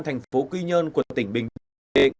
thành phố quy nhơn của tỉnh bình định